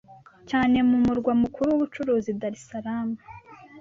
cyane mu murwa mukuru w'ubucuruzi Dar-es-Salaam